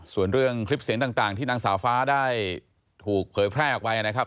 ส่วนเรื่องคลิปเสียงต่างที่นางสาวฟ้าได้ถูกเผยแพร่ออกไปนะครับ